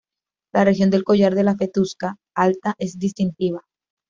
La región del collar de la festuca alta es distintiva.